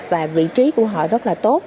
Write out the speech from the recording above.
và vị trí của họ rất là tốt